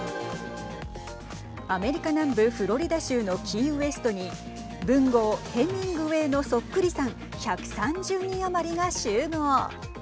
アメリカ南部フロリダ州のキーウェストに文豪、ヘミングウェーのそっくりさん１３０人余りが集合。